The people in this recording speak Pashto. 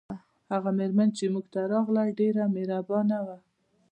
هغه میرمن چې موږ ته راغله ډیره مهربانه وه